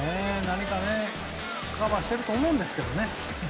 何かカバーしてると思うんですけどね。